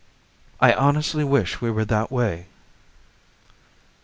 "I honestly wish we were that way."